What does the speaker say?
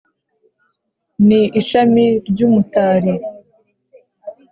ni ishami ry’umutari